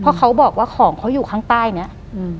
เพราะเขาบอกว่าของเขาอยู่ข้างใต้เนี้ยอืม